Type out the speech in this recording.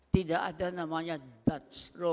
tidak ada namanya dutch roll